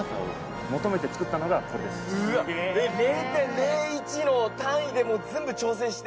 ０．０１の単位でもう全部調整して。